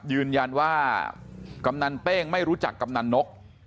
ยืนยันว่ากำนันเป้งไม่รู้จักกำนันนก